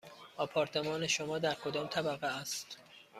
آپارتمان شما در کدام طبقه است؟